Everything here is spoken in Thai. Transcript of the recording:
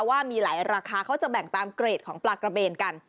ว่ามีหลายราคาเขาจะแบ่งตามเกรดของปลากระเบนกัน